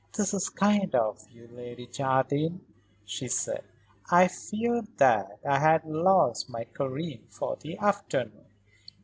"This is kind of you, Lady Jardine," she said. "I feared that I had lost my Karen for the afternoon.